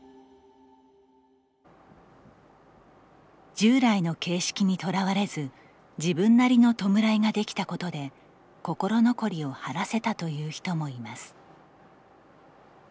従来の形式にとらわれず自分なりの弔いができたことで心残りを晴らせたという人もいます。